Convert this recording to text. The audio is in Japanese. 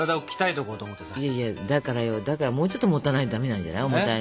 いやいやだからよだからもうちょっと持たないとダメなんじゃない？